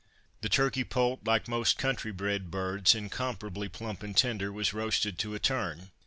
The turkey poult, like most country bred birds, incomparably plump and tender, was roasted to a turn.